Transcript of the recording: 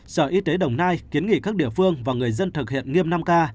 sở y tế đồng nai kiến nghị các địa phương và người dân thực hiện nghiêm năm k